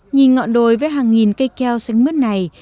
nhìn ngọn đồi với hàng nghìn cây keo sáng mưa này